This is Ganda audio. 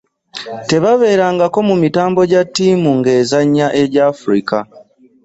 Tebabeerangako mu mitambo gya ttimu ngezannya eza Afirika.